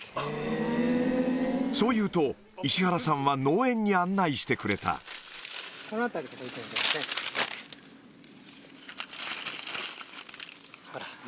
そう言うと石原さんは農園に案内してくれたほら。